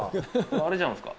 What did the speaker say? あれじゃないですか。